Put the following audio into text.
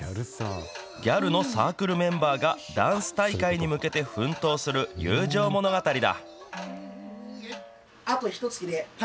ギャルのサークルメンバーが、ダンス大会に向けて奮闘する友情物語だ。